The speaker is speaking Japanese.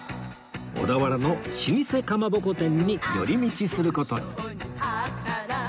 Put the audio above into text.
小田原の老舗かまぼこ店に寄り道する事に